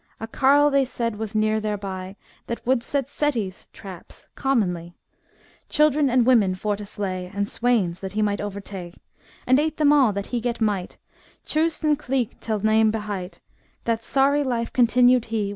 A carle they said was near thereby, That wold set settis (traps) commonly, Children and women for to slay, And swains that he might over ta; And ate them all that he get might; Chwsten Cleek till name behight. That sa'ry life continued he.